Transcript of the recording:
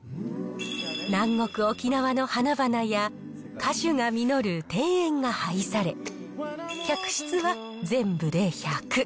南国、沖縄の花々や、果樹が実る庭園が配され、客室は全部で１００。